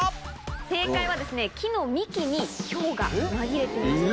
正解は木の幹にヒョウが紛れていました。